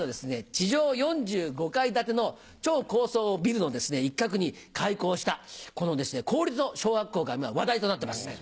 地上４５階建ての超高層ビルの一角に開校した公立の小学校が今話題となってます。